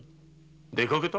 出かけた。